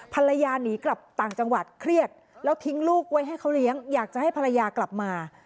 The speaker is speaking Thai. ภรรยาหนีกลับต่างจังหวัดเครียดแล้วทิ้งลูกไว้ให้เขาเลี้ยงอยากจะให้ภรรยากลับมา